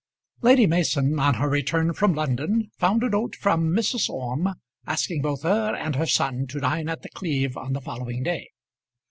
Lady Mason on her return from London found a note from Mrs. Orme asking both her and her son to dine at The Cleeve on the following day.